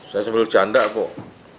saya sebelumnya canda kok